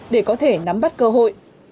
để có thể nắm bắt cơ hội